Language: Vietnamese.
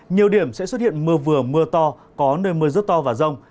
nhiều điểm sẽ xuất hiện mưa vừa mưa to có nơi mưa rất to và rông